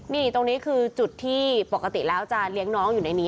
นี่ตรงนี้คือจุดที่ปกติแล้วจะเลี้ยงน้องอยู่ในนี้